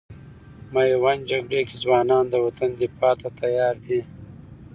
میوند جګړې کې ځوانان د وطن دفاع ته تیار دي.